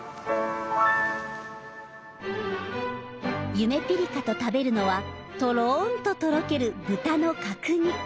ゆめぴりかと食べるのはとろんととろける豚の角煮。